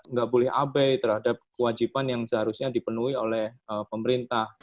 nggak boleh abai terhadap kewajiban yang seharusnya dipenuhi oleh pemerintah